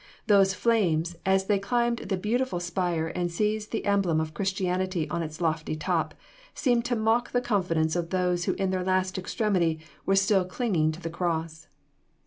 Those flames, as they climbed the beautiful spire and seized the emblem of Christianity on its lofty top, seemed to mock the confidence of those who in their last extremity were still clinging to the cross.